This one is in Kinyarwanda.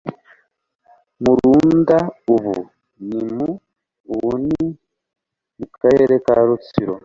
Murunda ubu ni mu ubu ni Karere ka Rutsiro